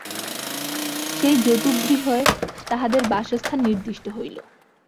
সেই জতুগৃহে তাঁহাদের বাসস্থান নির্দিষ্ট হইল।